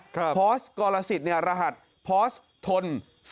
คือพอสกรยศิษย์เนี่ยบรรทลพอสทน๒๘๗๘